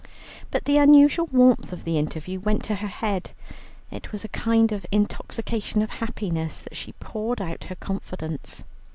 But the unusual warmth of the interview went to her head. It was in a kind of intoxication of happiness that she poured out her confidence.